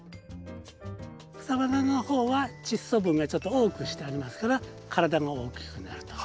草花の方は窒素分がちょっと多くしてありますから体が大きくなると。